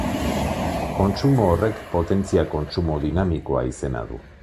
Kontsumo horrek potentzia-kontsumo dinamikoa izena du.